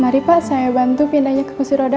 mari pak saya bantu pindahnya ke kursi roda